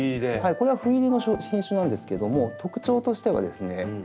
これは斑入りの品種なんですけども特徴としてはですね